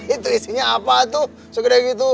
itu isinya apa tuh segede gitu